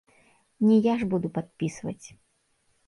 Не я ж буду падпісваць.